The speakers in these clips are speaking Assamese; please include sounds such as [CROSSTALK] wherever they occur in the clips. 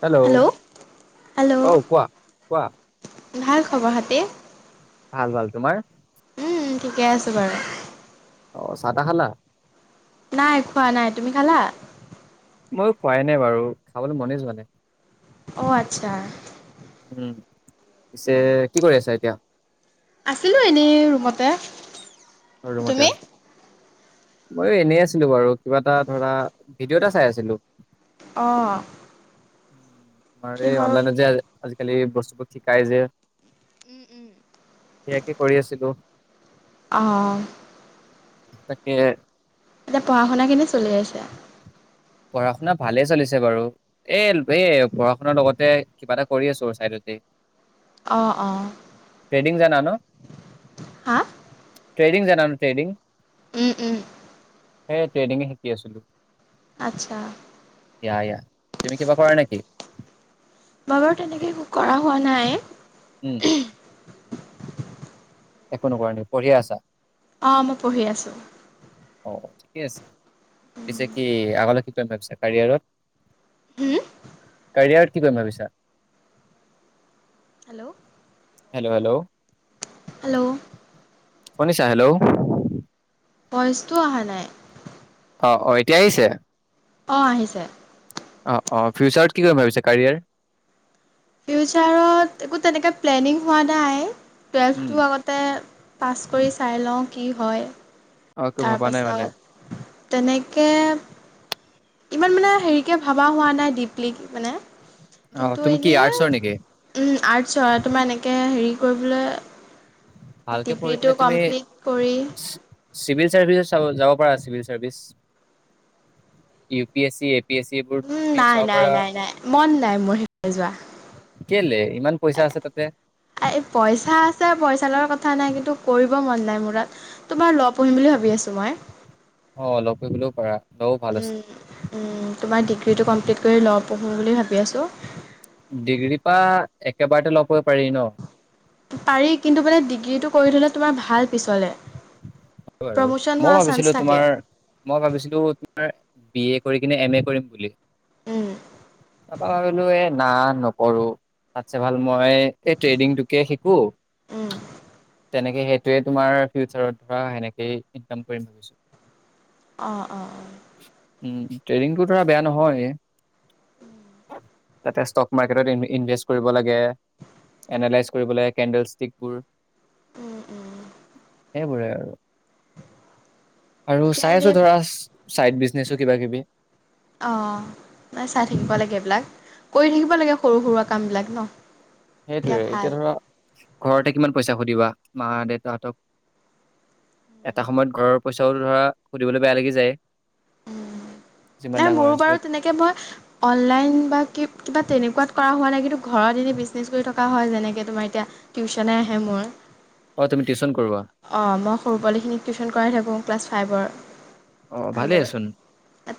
হেল্ল' হেল্ল' অ কোৱা কোৱা ভাল খবৰ খাতি ভাল ভাল তোমাৰ উম ঠিকে আছে বাৰু অ চাহ তা খালা নাই খোৱা নাই তুমি খালা মই খোৱাই নাই বাৰু খাবলৈ মনেই যোৱা নাই অ আচ্ছা উম পিছে কি কৰি আছা এতিয়া আছিলো এনেই ৰুমতে ৰুমতে তুমি আছো মই এনে আছিলো বাৰু কিবা এটা ধৰা ভিডিঅ' এটা চাই আছিলো অঁ উম আৰে কিহৰ অনলাইন যে আজি, আজিকালি বস্তুবোৰ শিকাই যে, উম', - উম', ইয়াকে কৰি আছিলো। অ', তাকে, এতিয়া পঢ়া শুনাখিনি কেনে চলি আছে? পঢ়া শুনা ভালে চলিছে, বাৰু এ', -এই, পঢ়া- -শুনাৰ লগতে কিবা এটা কৰি আছো চাইডতে অ', -অ', ট্ৰেডিং জানা ন -হা', ট্ৰেডিং জানা নে ট্ৰেডিং? উম-উম সেই ট্ৰেডিং এ শিকি আছিলো। আচ্ছা। ইয়া-ইয়া তুমি কিবা কৰা নেকি? মই', বাৰু তেনেকে একো কৰা হোৱা নাই, উম', একো নকৰা নেকি পঢ়িয়ে আছা? অ', মই পঢ়ি আছোঁ। অ', ঠিকে আছে। পিছে কি আগলে কি, কি কৰিম ভাবিছা? কাৰিয়াৰত, কাৰিয়াৰত কি কৰিম ভাবিছা? হেল্ল' হেল্ল', - হেল্ল', হেল্ল', শুনিছা হেল্ল', ভইচটো আহা নাই', অ', -অ ', এতিয়া আহিছে? অ', - আহিছে। অ', -অ ', ফিউচাৰত কি কৰিম ভাবিছা কাৰীয়াৰ, ফিউচাৰত একো তেনেকে প্লেনিং হোৱা নাই। উম টুৱেলভটো আগতে, পাছ কৰি চাই লওঁ, কি হয়। অ একো ভবা নাই মানে তাৰপাছত তেনেকে, ইমান মানে, হেৰিকে ভবা হোৱা নাই ডীপলি মানে, অ কিন্তু তুমি কি এনেই আৰ্টছৰ নেকি উম', আৰ্টছৰ তোমাৰ এনেকে হেৰি, কৰিবলৈ, ভালকে পঢ়ি কিনে ডিগ্ৰীটো তুমি কমপ্লিট কৰি, চিভিল -চাৰ্ভিচ এ', চাব যাব পাৰা civil- -service U P -S C -A P S C এইবোৰ উম', তুমি -নাই চাব -নাই পাৰা -নাই-নাই মন-নাই মোৰ সেফালে যোৱা। কেলে ইমান পইচা আছে তাতে পইচা আছে, পইচা লগত কথা, কথা নাই কিন্তু কৰিব মন নাই মোৰাত, তোমাৰ লঃ পঢ়িম বুলি ভাবি আছোঁ মই। ল -কৰিবলৈও পাৰা। ল-ভাল আছে। তোমাৰ ডিগ্ৰীটো কমপ্লিট কৰি লঃ পঢ়োঁ বুলি ভাবি আছোঁ। ডিগ্ৰীৰ পৰা একেবাৰতে লঃ পাৰি ন? পাৰি কিন্তু মানে ডিগ্ৰীটো কৰি থলে তোমাৰ ভাল পিছলৈ। বাৰু, মই ভাবিছিলো তোমাৰ-মই ভাবিছিলো তোমাৰ বি এ কৰি কিনে এম এ কৰিম বুলি উম। তাপা ভাবিলো এ না নকৰো তাতছে ভাল মই এই ট্ৰেইডিংটোকে শিকো উম, তেনেকে সেইটোয়ে তোমাৰ ফিউচাৰত সেনেকেই ইনকাম কৰিম ভাবিছো। অঁ-অঁ-অ। উ ট্ৰেডিংটো ধৰা বেয়া নহয়। তাতে ষ্টক মাৰ্কেটত ইনভেষ্ট কৰিব লাগে, এনালাইজ কৰিব লাগে কেণ্ডেল ষ্টিকবোৰ, উম, উম। সেইবোৰে আৰু। [UNINTELLIGIBLE] আৰু এতিয়া চাই আছো এনেই ধৰাছ চাইড বিজনেছো কিবা-কিবি। অ। নাই চাই থাকিব লাগে এইবিলাক, কৰি থাকিব লাগে সৰু সৰুৱা কামবিলাক ন? সেইটোৱে তেতিয়া ভাল এতিয়া ধৰা ঘৰতে কিমান পইচা সুধিবা মা দেউতাহতক? এটা সময়ত ঘৰৰ পইচাও ধৰা সুধিবলৈ বেয়া লাগি যায়। যিমান নাই ডাঙৰ মোৰো হৈছো বাৰু তেনেকে মই অনলাইন বা কিবা তেনেকুৱা কৰা হোৱা নাই, কিন্তু ঘৰত এনে বিজনেছ কৰি থকা হয় যেনেকে তোমাৰ এতিয়া টিউশচনে আহে মোৰ। তুমি টিউচন কৰোৱা অ' মই সৰু পোৱালি খিনিক টিউচন কৰাই থাকো। ক্লাছ ফাইভৰ। আহ ভালেই আচোন।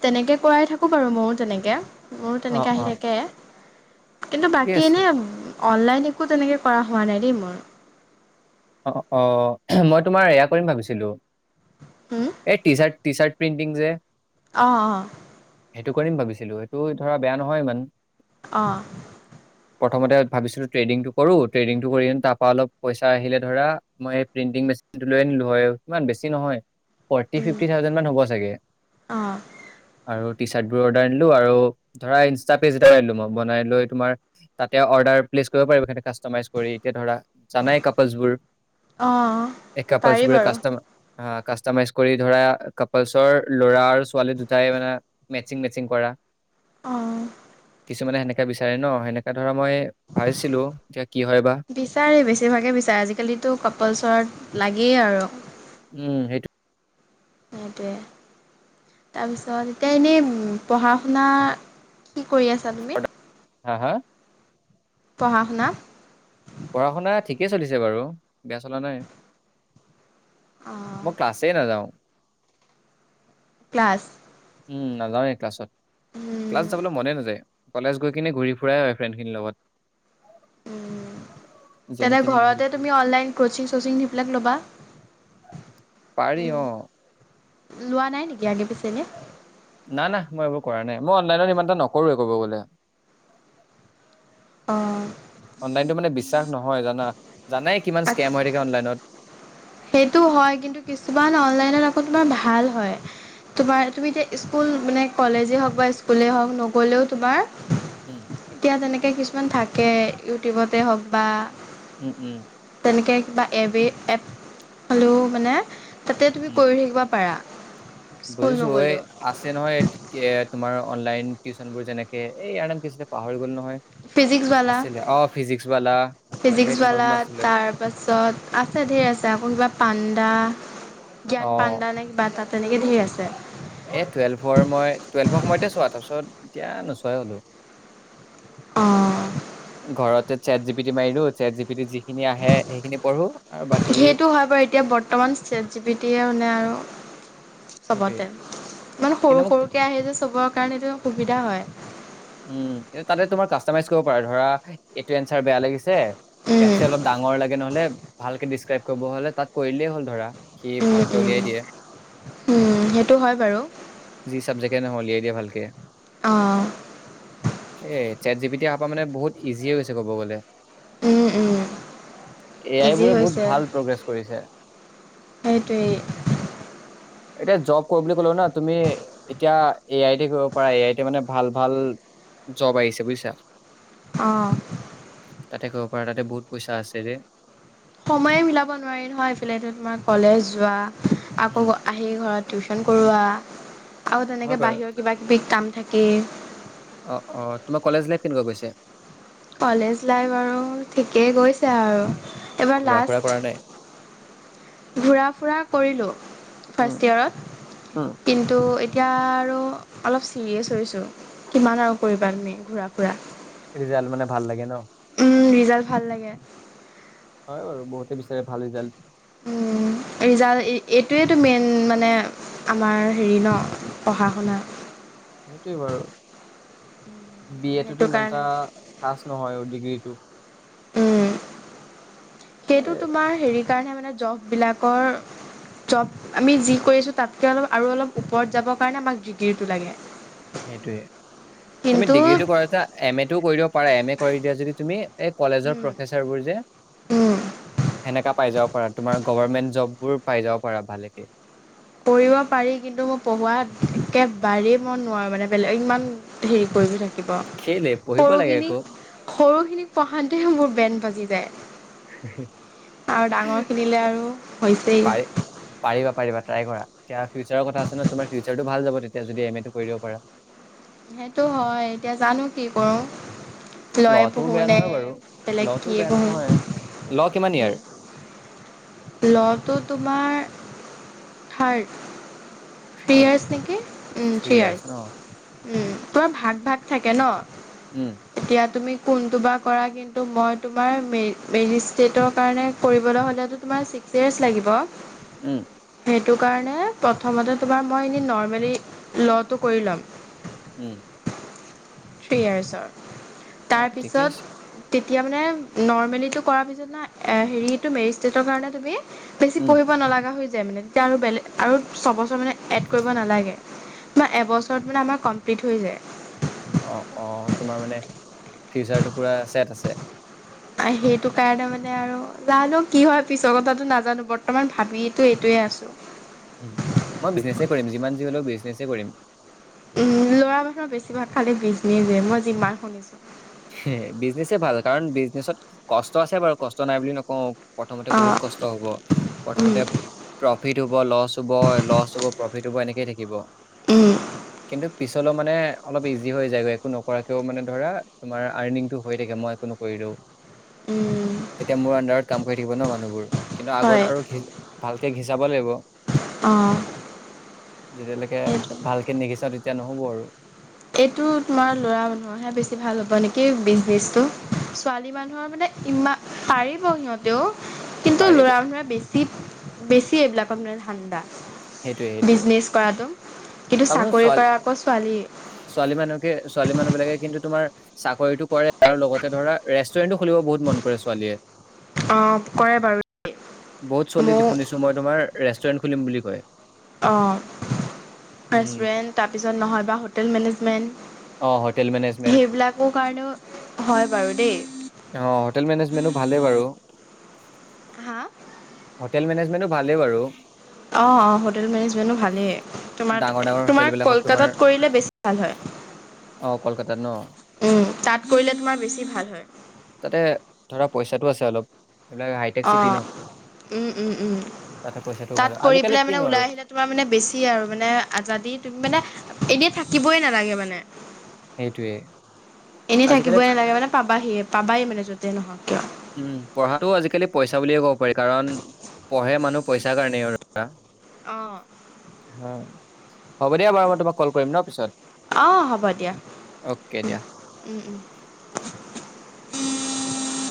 তেনেকে কৰাই থাকোঁ বাৰু ময়ো তেনেকে, ময়ো অ তেনেকে অ আহি থাকে। কিন্তু ঠিকে বাকী আছে এনেই অনলাইন একো তেনেকৈ কৰা হোৱা নাই দেই মোৰ। অ মই তোমাৰ এয়া কৰিম ভাবিছিলো টি-শাত টি শাৰট প্ৰিণ্টিং যে? অঁ-অ-অ সেইটো কৰিম ভাবিছিলো, সেইটো ধৰা বেয়া নহয় ইমান। অঁ- প্ৰথমতে ভাবিছিলোঁ ট্ৰেডিংটো কৰোঁ, ট্ৰেডিংটো কৰি তাৰপৰা অলপ পইচা আহিলে ধৰা মই এই প্ৰিন্টিং মেচিন টো লৈ আনিলো হয়, ইমান বেছি নহয়। ফৰ্টি-ফিফটি অঁ থাউজেন মান হ'ব চাগে। অঁ আৰু টি চাৰ্ট বোৰ অৰ্ডাৰ দিলো আৰু ধৰা ইনষ্টা পেজ এটা আনিলো মই বনাই লৈ তোমাৰ তাতে অৰ্ডাৰ প্লেচ কৰিব পাৰিব সৈতে কাষ্টমাইজ কৰি এতিয়া ধৰা জানাই কাপল বোৰ। অ পাৰি বাৰু অ কাষ্টমাইজ কৰি ধৰা কাপলচৰ ল'ৰা আৰু ছোৱালী দুটাই মানে মেচিং মেচিং কৰা আহ কিছুমানে সেনেকে বিচাৰে ন সেনেকা ধৰা মই ভাবিছিলো এতিয়া কি হয় বা তো কাপাল চৰত লাগেই আৰু উম সেইটো সেইটোৱে তাৰপিছত এতিয়া এনেই পঢ়া শুনা কি কৰি আছা তুমি? হা হা পঢ়া শুনা পঢ়া-শুনা ঠিকেই চলিছে বাৰু বেয়া চলা নাই অঁ মই ক্লাছে নাযাওঁ। ক্লাছ উম নাযাৱেই ক্লাছত। ক্লাছ যাবলৈ মনে নাযায়। কলেজ গৈ কিনে ঘূৰি ফুৰাই হয় ফ্ৰেণ্ড খিনিৰ লগত। যেনি তেনে তেনি ঘূৰি ঘৰতে ফুৰি তুমি অনলাইন কচিং চচিং সেইবিলাক ল'বা। পাৰি অঁ। লোৱা নাই নেকি আগে পিছে এনে। নাই না মই এইবোৰ কৰা নাই মই অনলাইনত ইমান এটা নকৰো কব গলে। অ' অনলাইনতটো মানে বিশ্বাস নহয় জানা। জানে কিমান স্কেম হৈ থাকে অনলাইনত। সেইটো হয় কিন্তু কিছুমান অনলাইনত আকৌ তোমাৰ ভাল হয়। তোমাৰ তুমি এতিয়া স্কুল মানে কলেজে হওঁক বা স্কুলে হওঁক নগলেও তোমাৰ উম এতিয়া তেনেকে কিছুমান থাকে, ইউটিউবতে হওক বা উম উম এনেকে কিবা এব এপ হলো মানে তাতে তুমি উম কৰি থাকিবা পাৰা। স্কুল বুজিছো ঐ নগ'লেও আছে নহয় কে। তোমাৰ অনলাইন টিউচন বোৰ যেনেকে এই ইয়াৰ নাম কি হৈছিলে পাহৰি গ'লো নহয়। ফিজিক্সবালা আছিলে অ ফিজিক্স বালা আকৌ এনেকে কোনোবা ফিজিক্সবালা কোনোবা আছিলে তাৰপাছত আছে ধেৰ আছে আকৌ কিবা পাণ্ডা জ্ঞান অ পাণ্ডা নে কিবা এটা তেনেকে ধেই আছে। এ টুৱেলভৰ মই টুৱেলভৰ সময়তে চোৱা তাৰপিছত এতিয়া নোচোয়াই হলো। অঁ ঘৰতে চেট জি পিটি মাৰি দিও চেট জি পিটি যিখিনি আহে সেইখিনি পঢ়ো। আৰু বাকী সেইটো হয় বাৰু এতিয়া বৰ্তমান চেট জি পিটিয়ে মানে আৰু সেইটোয়ে চবতে ইমান কিন্তু সৰু মোক সৰুকে আহি যে চবৰ কাৰণে এইটো সুবিধা হয়। উম তাতে তোমাৰ কাষ্টমাইজ কৰিব পাৰা ধৰা এইটো এনচাৰ বেয়া লাগিছে। উম ইয়াতছে অলপ ডাঙৰ লাগে নহলে। ভালকে ডিচক্ৰাইব কৰিব হ'লে তাত কৰিলেই হ'ল ধৰা। সি উম ভালকে উম উলিয়াই দিয়ে উম সেইটো হয় বাৰু যি চাবজেক্টে নহয় উলিয়াই দিয়ে ভালকে কে আহ এ চেট জিপিত অ পৰা মানে বহুত ইজিয়ে গৈছে ক'ব গ'লে। উম উম এ আই ইজি বোৰে বহুত হৈছে ভাল প্ৰগ্ৰেছ কৰিছে। সেইটোৱেই এতিয়া জব কৰো বুলি ক'লো ন তুমি এতিয়া এ আই টি কৰিব পাৰা এ আই টি মানে ভাল। ভাল জব আহিছে বুজিছা। অ' তাতে কৰিব পাৰা তাতে বহুত পইচা আছে ৰে সময়ে মিলাব নোৱাৰি নহয় এইফালে তোমাৰ কলেজ যোৱা। আকৌ উম, আহি ঘৰত টিউচন কৰোৱা। আৰু হয় তেনেকে বাৰু বাহিৰৰ কিবা কিবি কাম। থাকে অ' অ' তোমাৰ কলেজ লাইফ কেনেকুৱা গৈছে কলেজ লাইফ আৰু ঠিকেই গৈছে আৰু এবাৰ ঘূৰা ফুৰা কৰা লাষ্ট। নাই ঘূৰা ফুৰা কৰিলোঁ‌ উম, ফাৰ্ষ্ট উম ইয়েৰত কিন্তু এতিয়া আৰু অলপ চিৰিয়েছ হৈছো কিমান আৰু কৰিবা তুমি ঘূৰা ফুৰা! ৰিজাল্ট মানে ভাল লাগে ন। উ ৰিজাল্ট ভাল লাগে। হয় বাৰু বহুতে বিচাৰে ভাল ৰিজাল্ট। ৰিজাল্ট এইটোৱেতো মেইন মানে আমাৰ হেৰি ন পঢ়া শুনা। সেইটোৱে বাৰু বি এ টোতো সেইটো ইমানটা কাৰণে খাছ নহয় সেইটো উম সেইটো এ তোমাৰ হেৰি সেইকাৰণে মানে জববিলাকৰ জব আমি যি কৰিছোঁ তাতকৈ অলপ আৰু অলপ ওপৰত যাবৰ কাৰণে আমাক ডিগ্ৰীটো লাগে। সেইটোয়ে তুমি ডিগ্ৰীটো কৰাছা এম এতটোও কৰি দিব পাৰা এম এ কৰি দিয়া যদি তুমি এই কলেজৰ কিন্তু প্ৰফেচাৰ বোৰ যে সেনেকা পাই যাব পৰা তোমাৰ গভৰ্মেন্ট জবোৰ পাই যাব পাৰা ভালেকে কৰিব পাৰি কিন্তু মই পঢ়াত একে বাৰেই মন নোৱাৰোঁ মানে বেলেগ ইমান হেৰি কৰিব থাকে। কেলে পঢ়িব লাগে আকৌ সৰুখিনিক সৰুখিনিক পঢ়াতে মোৰ বেন বাজি যায়। আৰু ডাঙৰখিনিলে আৰু হৈছেই পাৰি পাৰিবা পাৰিবা ট্ৰাই কৰা ফিউচাৰৰ কথা আছে ন তোমাৰ। ভাল যাব তেতিয়া যদি এম এ টো কৰিব দ পাৰা সেইটো হয়, এতিয়া জানো কি কৰো? লটো বেয়া নহয় বাৰু, লটো কিয়ে বেয়া পঢ়ো নহয়। ল কিমান ইয়াৰ? ল'টো তোমাৰ থাৰ্ড। থ্ৰী অ ইয়াৰ্চ নেকি, ওম থ্ৰী ইয়াৰ্চ। উম, তোমাৰ ভাগ ভাগ থাকে ন। উম এতিয়া তুমি কোনটো বা কৰা কিন্তু মই তোমাৰ মৰি মেৰিষ্টেটৰ কাৰণে কৰিবলৈ হ'লেতো তোমাৰ ছিক্স ইয়ে্চ লাগিব। উম। সেইটো কাৰণে প্ৰথমতে তোমাৰ মই এনেই নৰ্মেলি ল'টো কৰি ল'ম। উম। থ্ৰি ইয়াৰছৰ। অ ঠিকেই আছে। তেতিয়া মানে নৰ্মেলিটো কৰাৰ পিছত না হেৰিটো মেৰিষ্ট্ৰেটৰ কাৰণে তুমি বেছি উম। পঢ়িব নালগা হৈ মে তেতিয়া আৰু বেলেগ আৰু ছবছৰ মানে এড কৰিব নালাগে, মানে এবছৰত মানে আমাৰ কমপ্লিট হৈ যায়। অ অ তোমাৰ মানে ফিউচাৰটো পুৰা ছেট আছে। সেইটো কাৰণে মানে আৰু জানো কি হয় পিছৰ কথাটো নাজানো বৰ্তমান ভাবো এইটোৱে আছো। মই বিজনেছে কৰিম, যিমান যি হলেও বিজনেছে কৰিম। উম ল'ৰা মানৰ বেছিভাগ খালি বিজনেচ যে, মই যিমান শুনিছো। বিজনেচে ভাল কাৰণ ত কষ্ট আছে বাৰু, কষ্ট নাই বুলি নকওঁ। প্ৰথমতে বহুত অঁ কষ্ট হব, উম প্ৰথমতে প্ৰফিট হব, লছ হব, লছ হব প্ৰফিট হব এনেকেই থাকিব উম কিন্তু পিছলৈও মানে অলপ ইজি হৈ যায়গৈ, একো নকৰাকেও মানে ধৰা তোমাৰ আৰ্নিংটো হৈ থাকে মই একো নকৰিলেও, উম তেতিয়া মোৰ অন্দাৰত কাম কৰি থাকিব ন মানুহবোৰ। কিন্তু হয় আগত আৰু ভালকে ঘিচাব লাগিব। অঁ যেতিয়ালৈকে সেইটো ভালকে নিঘিছাও তেতিয়া নহ'ব আৰু। এইটো তোমাৰ ল'ৰা মানুহৰহে বেছি ভাল হ'ব নেকি বিজনেচটো, ছোৱালী মানুহৰ মানে ইমান পাৰিব সিহঁতেও কিন্তু পাৰিব ল'ৰা মানুহৰে বেছি বেছি এইবিলাকত মানে ধাণ্ডা। সেইটোয়ে সেইটোয়ে বিজনেচ কৰাতটো, কিন্তু চাবাচোন চাকৰি ছোৱালী কৰা আকৌ ছোৱালী ছোৱালী মানুহকে, ছোৱালী মানুহ বিলাকে কিন্তু তোমাৰ চাকৰিটো কৰে আৰু লগতে ধৰা ৰেষ্টুৰেণ্টো খুলিব বহুত মন কৰে ছোৱালীয়ে। অঁ কৰে বাৰু বহুত ছোৱালি দে ময়ো শুনিছো মই তোমাৰ ৰেষ্টুৰেণ্ট খুলিম বুলি কয়। অ উম, ৰেষ্টুৰেন্ট তাৰপিছত নহলেবা হোটেল মেনেজমেন্ট। অঁ হোটেল মেনেজমেণ্ট, হয় বাৰু দেই। অঁ হোটেল মেনেজমেণ্টো ভালেই বাৰু। হা হোটেল মেনেজমেণ্টটো ভালেই বাৰু অ' অ' হোটেল মেনেজমেণ্টো ভালেই তোমাৰ ডাঙৰ ডাঙৰ হোটেল তোমাৰ বিলাকত তোমাৰ কলকাতাত কৰিলে বেছি ভাল হয়। অ' কলকাতাত ন উম তাত কৰিলে তোমাৰ বেছি ভাল হয়। তাতে ধৰা পইচাটো আছে অলপ এইবিলাক হাইটেক চিটি ন অ' উম উম উম তাতে পইচাটো তাত ভাল কৰি আজিকালি পেলাই মানে কিনো ওলাই আৰু আহিলে তোমাৰ মানে বেছি আৰু মানে আজাদি তুমি মানে এনে থাক। থাকিবই নালাগে মানে। সেইটোয়ে এনে আজিকালি থাকিবই নালাগে মানে পাবাহি পাবাই মানে যতে নহওক। কিয়। উম পঢ়াতটো আজিকালি পইচা বুলিয়ে ক'ব পাৰি কাৰণ পঢ়ে মানুহ পইচাৰ কাৰণেই আৰু অ'। হ হ'ব দিয়া বাৰু মই তোমাক কল কৰিম ন অ' হ'ব দিয়া। পিছত অ'কে দিয়া উম, উম। [UNINTELLIGIBLE]